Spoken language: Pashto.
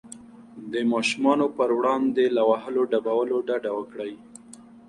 د ماشومانو پر وړاندې له وهلو ډبولو ډډه وکړئ.